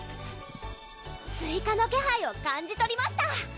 スイカの気配を感じ取りました